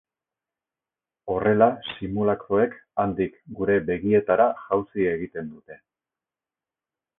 Horrela simulakroek handik gure begietara jauzi egiten dute.